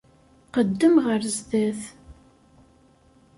Qeddem ɣer zdat.